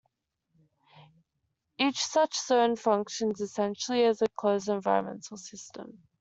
Each such zone functions essentially as a closed environmental system.